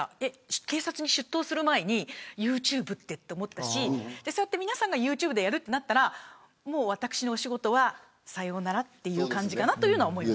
警察に出頭する前にユーチューブって思ったし皆さんがユーチューブでやるってなったら私の仕事は、さようならという感じかなと思います。